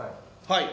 はい。